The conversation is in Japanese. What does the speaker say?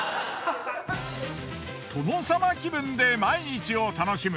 殿様気分で毎日を楽しむ